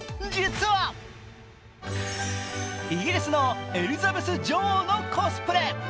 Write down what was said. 実はイギリスのエリザベス女王のコスプレ。